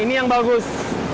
ini yang bagus